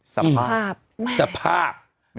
สภาพสภาพ